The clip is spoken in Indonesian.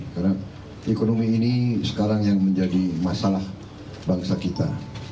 karena ekonomi ini sekarang yang menjadi masalah bangsa kita